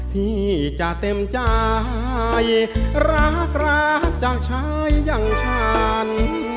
ที่จะเต็มใจรักรักจากชายอย่างฉัน